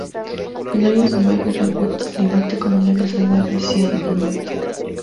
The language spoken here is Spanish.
El área salvaje Red Butte limita con el área salvaje Zion, al norte.